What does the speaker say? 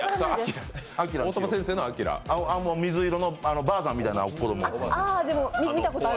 水色のばあさんみたいな子供。